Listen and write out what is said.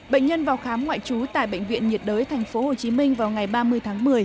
bệnh nhân vào khám ngoại trú tại bệnh viện nhiệt đới tp hcm vào ngày ba mươi tháng một mươi